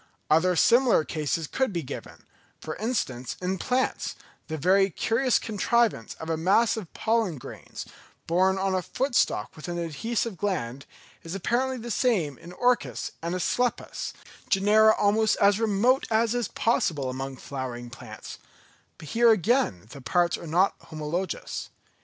Other similar cases could be given; for instance in plants, the very curious contrivance of a mass of pollen grains, borne on a foot stalk with an adhesive gland, is apparently the same in Orchis and Asclepias, genera almost as remote as is possible among flowering plants; but here again the parts are not homologous.